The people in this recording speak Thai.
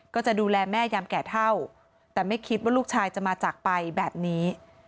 ก็จะดูแลแม่ยามแก่เท่าแต่ไม่คิดว่าลูกชายจะมาจากไปแบบนี้